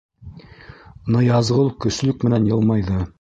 Ныязғол көслөк менән йылмайҙы: